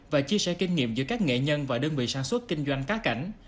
và chia sẻ kinh nghiệm giữa các nghệ nhân và đơn vị sản xuất kinh doanh cá cảnh